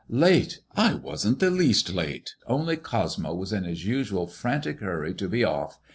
" Late ! I wasn't the least late, only Cosmo was in his usual frantic hurry to be off.